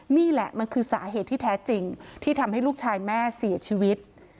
นี่แหละมันคือสาเหตุที่แท้จริงที่ทำให้ลูกชายแม่เสียชีวิต